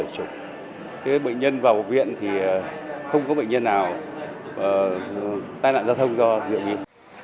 cái bệnh nhân vào một viện thì không có bệnh nhân nào tai lạn giao thông do rượu bia